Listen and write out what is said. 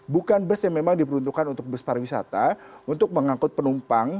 bukan bus yang memang diperuntukkan untuk bus pariwisata untuk mengangkut penumpang